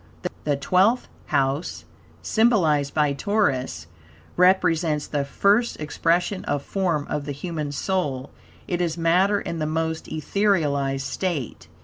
The Twelfth House, symbolized by Taurus, represents the first expression of form of the human soul. It is matter in the most etherealized state.